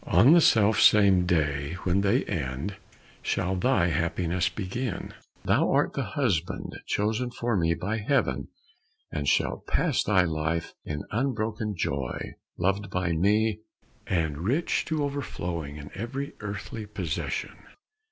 On the self same day when they end, shall thy happiness begin. Thou art the husband chosen for me by Heaven, and shalt pass thy life in unbroken joy, loved by me, and rich to overflowing in every earthly possession.